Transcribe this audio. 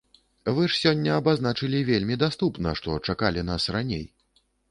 Вы ж сёння абазначылі вельмі даступна, што чакалі нас раней.